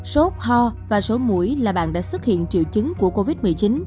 số ho và số mũi là bạn đã xuất hiện triệu chứng của covid một mươi chín